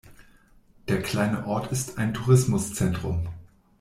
Der kleine Ort ist ein Tourismuszentrum.